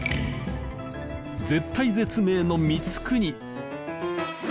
絶体絶命の光國！